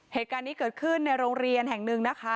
เหตุการณ์นี้เกิดขึ้นในโรงเรียนแห่งหนึ่งนะคะ